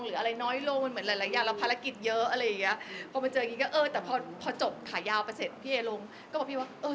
หรือคือหากปกปุ่นซักตัวที่ยินจริงอ่ะพยายามหนีมาพักนึง